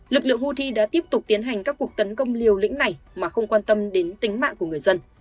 lực lượng houthi đã tiếp tục tiến hành các cuộc tấn công liều lĩnh này mà không quan tâm đến tính mạng của người dân